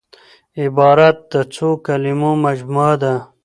عبارت د څو کليمو مجموعه ده.